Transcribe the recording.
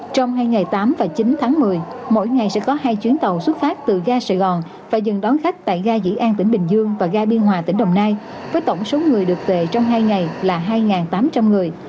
trong hai ngày tám và chín tháng một mươi mỗi ngày sẽ có hai chuyến tàu xuất phát từ ga sài gòn và dừng đón khách tại ga dĩ an tỉnh bình dương và ga biên hòa tỉnh đồng nai với tổng số người được về trong hai ngày là hai tám trăm linh người